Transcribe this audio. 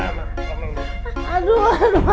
aduh aduh aduh aduh